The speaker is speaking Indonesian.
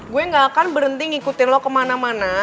gue gak akan berhenti ngikutin lo kemana mana